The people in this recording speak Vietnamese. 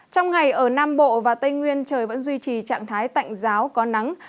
trong ngày ở nam bộ và tây nguyên trời vẫn duy trì trạng thái tạnh giáo có nắng